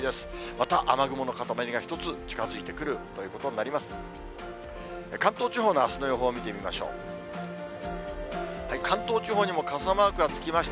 また雨雲の固まりが１つ近づいてくるということになります。